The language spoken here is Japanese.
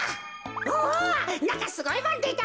おなんかすごいもんでた。